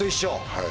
はい。